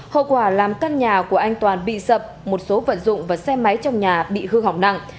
hậu quả làm căn nhà của anh toàn bị sập một số vận dụng và xe máy trong nhà bị hư hỏng nặng